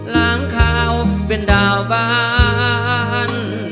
ล้างคาวเป็นดาวบ้าน